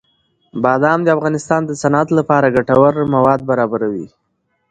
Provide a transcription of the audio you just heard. بادام د افغانستان د صنعت لپاره ګټور مواد برابروي.